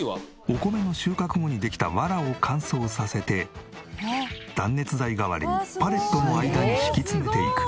お米の収穫後にできたわらを乾燥させて断熱材代わりにパレットの間に敷き詰めていく。